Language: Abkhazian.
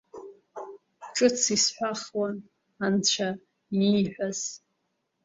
Ҿыц исҳәахуан Анцәа ииҳәаз…